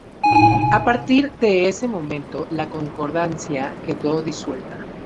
A partir de ese momento la Concordancia quedó disuelta.